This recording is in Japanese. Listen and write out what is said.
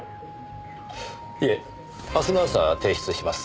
いえ明日の朝提出します。